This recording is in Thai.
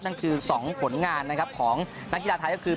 นั่นคือ๒ผลงานนะครับของนักกีฬาไทยก็คือ